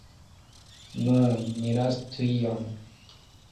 Nu, ni lasu tion.